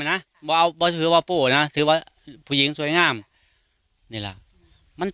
นะบอกเอาบอกถือว่าโปนะถือว่าผู้หญิงสวยงามนี่ล่ะมัน